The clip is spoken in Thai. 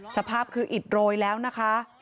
สภาพคืออิดโรยแล้วนะคะ